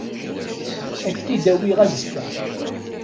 Ad k-t-id-awiɣ azekka.